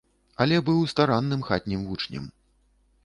Але быў старанным хатнім вучнем.